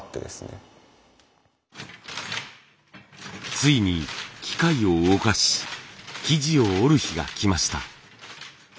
ついに機械を動かし生地を織る日がきました。